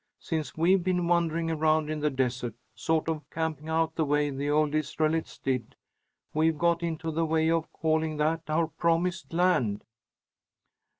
Since we've been wandering around in the desert, sort of camping out the way the old Israelites did, we've got into the way of calling that our promised land."